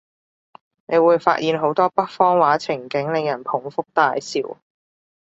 你會發現好多北方話情景，令人捧腹大笑